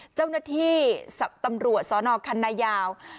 เจ้าหน้าที่ตำรวจสนคันนายาว